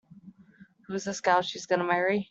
Who's this gal she's gonna marry?